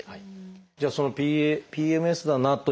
じゃあそのＰＭＳだなということになった。